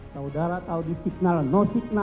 saudara tahu di signal no signal